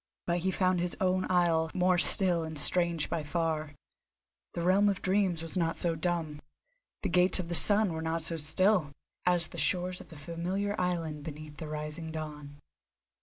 But he found his own isle more still and strange by far. The realm of Dreams was not so dumb, the Gates of the Sun were not so still, as the shores of the familiar island beneath the rising dawn.